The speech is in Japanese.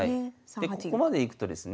でここまでいくとですね